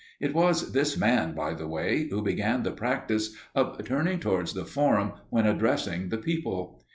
It was this man, by the way, who began the practice of turning towards the forum when addressing the people.